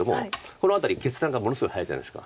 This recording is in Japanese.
この辺り決断がものすごい早いじゃないですか。